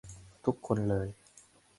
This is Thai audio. ทุกคนเลย~